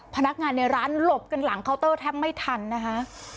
พนักงานในร้านหลบกันหลังเคาน์เตอร์แทบไม่ทันนะคะ